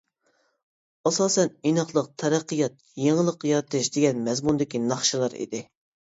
ئاساسەن «ئىناقلىق، تەرەققىيات، يېڭىلىق يارىتىش» دېگەن مەزمۇندىكى ناخشىلار ئىدى.